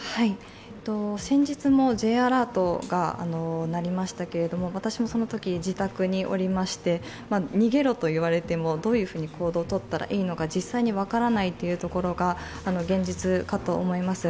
先日もＪアラートが鳴りましたけれども、私もそのとき自宅におりまして逃げろと言われてもどういうふうに行動を取ったらいいのか、実際に分からないというところが現実かと思います。